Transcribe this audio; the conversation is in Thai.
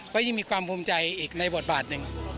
ก็ยังมีความภูมิใจอีกในบทบาทหนึ่ง